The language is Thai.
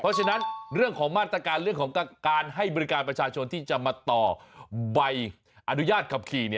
เพราะฉะนั้นเรื่องของมาตรการเรื่องของการให้บริการประชาชนที่จะมาต่อใบอนุญาตขับขี่